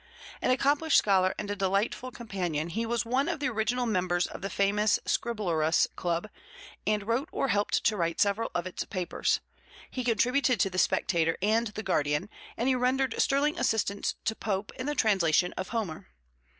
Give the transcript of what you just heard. An accomplished scholar and a delightful companion, he was one of the original members of the famous Scriblerus Club and wrote or helped to write several of its papers, he contributed to the Spectator and the Guardian, and he rendered sterling assistance to Pope in the translation of Homer.